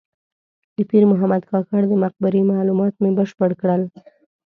د پیر محمد کاکړ د مقبرې معلومات مې بشپړ کړل.